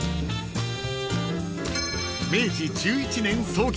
［明治１１年創業］